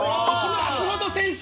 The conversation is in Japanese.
松本先生！